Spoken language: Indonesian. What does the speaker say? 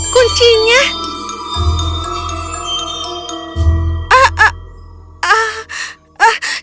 kuntungnya tidak bisa